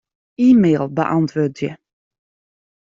E-mail beäntwurdzje.